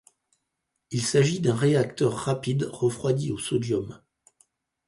Il s'agit d'un réacteur rapide refroidi au sodium.